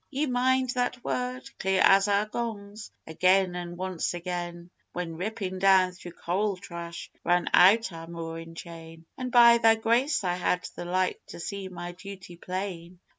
_" Ye mind that word? Clear as our gongs again, an' once again, When rippin' down through coral trash ran out our moorin' chain; An' by Thy Grace I had the Light to see my duty plain.